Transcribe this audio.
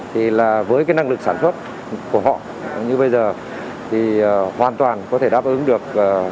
thì là với cái năng lực sản xuất của họ như bây giờ thì hoàn toàn có thể đáp ứng được